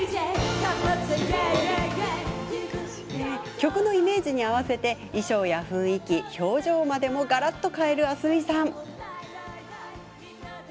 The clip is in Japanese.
曲のイメージに合わせて衣装や雰囲気、表情までもがらっと変える明日海さん。